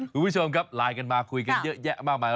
คุณผู้ชมครับไลน์กันมาคุยกันเยอะแยะมากมาย